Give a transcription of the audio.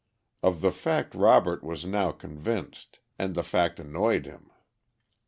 Of the fact Robert was now convinced, and the fact annoyed him.